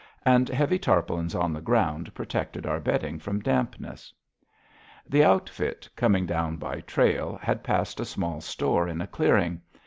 And heavy tarpaulins on the ground protected our bedding from dampness. The outfit, coming down by trail, had passed a small store in a clearing.